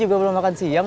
jauh setiap harimau